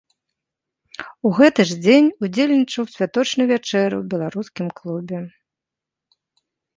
У гэты ж дзень удзельнічаў у святочнай вячэры ў беларускім клубе.